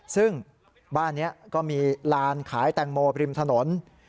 ซึ่งบ้านนี้ก็มีลานขายแตงโมบริมถนน